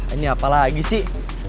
ini apa lagi sih